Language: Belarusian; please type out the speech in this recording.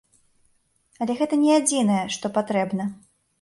Але гэта не адзінае, што патрэбна.